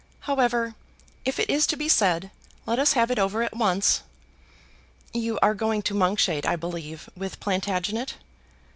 However, if it is to be said, let us have it over at once." "You are going to Monkshade, I believe, with Plantagenet."